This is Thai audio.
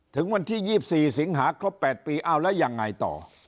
ถึงวันที่๒๔สิงหาครบ๘ปีอ้าวแล้วยังไงต่อ